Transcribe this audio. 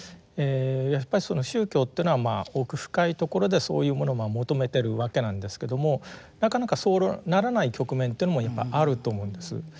やっぱりその宗教というのは奥深いところでそういうものを求めてるわけなんですけどもなかなかそうならない局面というのもやっぱりあると思うんです。